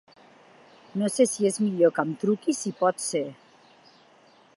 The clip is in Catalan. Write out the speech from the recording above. No se si és millor que em truqui si pots ser.